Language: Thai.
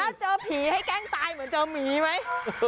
ถ้าเจอผีให้แกล้งตายเหมือนเจอหมีไหม